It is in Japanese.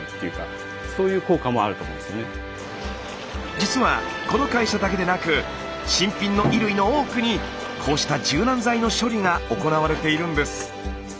実はこの会社だけでなく新品の衣類の多くにこうした柔軟剤の処理が行われているんです。